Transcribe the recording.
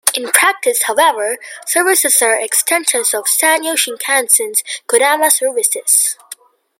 In practice, however, most services are extensions of Sanyo Shinkansen "Kodama" services.